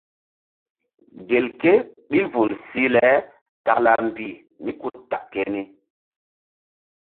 Gelke ɓil vul sih le takla mbih mí ku tak keni.